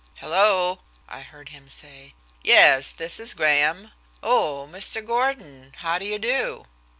"Hello," I heard him say. "Yes, this is Graham. Oh! Mr. Gordon! how do you do?"